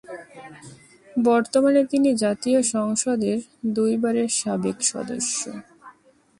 বর্তমানে তিনি জাতীয় সংসদের দুইবারের সাবেক সদস্য।